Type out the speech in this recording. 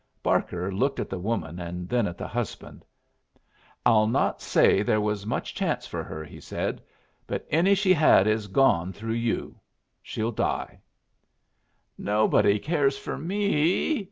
Barker looked at the woman and then at the husband. "I'll not say there was much chance for her," he said. "But any she had is gone through you. She'll die." "Nobody cares for me!"